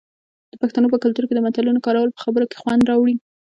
د پښتنو په کلتور کې د متلونو کارول په خبرو کې خوند راوړي.